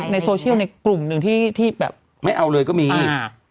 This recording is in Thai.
ในโซเชียลในกลุ่มหนึ่งที่ที่แบบไม่เอาเลยก็มีอ่า